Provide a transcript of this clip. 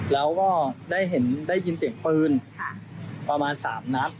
แล้วก็ได้ยินเสียงปืนประมาณ๓นัด